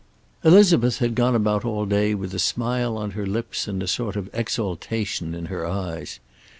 IX Elizabeth had gone about all day with a smile on her lips and a sort of exaltation in her eyes.